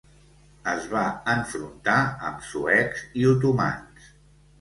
Es va enfrontar amb suecs i otomans.